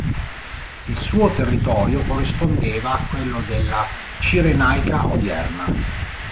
Il suo territorio corrispondeva a quello della Cirenaica odierna.